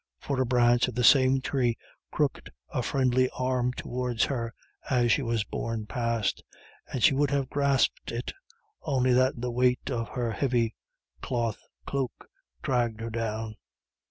For a branch of the same tree crooked a friendly arm towards her as she was borne past, and she would have grasped it only that the weight of her heavy cloth cloak dragged her down.